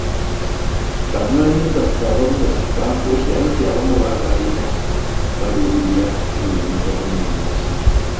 Banywanyi baffe abamu bafuuse anti abamu baagala era baluubirira kutunyunyunta bunyunyusi.